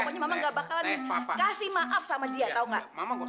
pokoknya memang gak bakalan kasih maaf sama dia tau gak